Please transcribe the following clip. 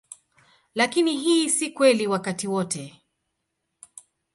Lakini hii si kweli wakati wote.